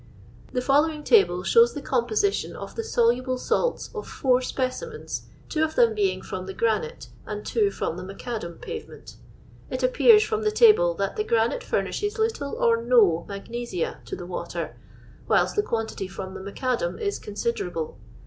" The following table shows the composition of the soluble salts of four specimens, two of them being from the granite, and two from the macadam pavement. "It appears from tho table that the granite furnishes little or no magnesia to the '^ ater, whilst the quantity from the macadam is considerable.